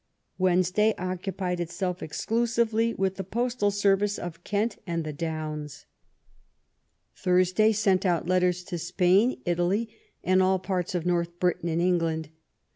Wednesday oc cupied itself exclusively with the postal service of Kent and the Downs. Thursday sent out letters to Spain, Italy, and all parts of North Britain and England.